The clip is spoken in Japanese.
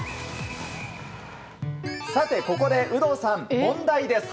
さて、ここで有働さん問題です！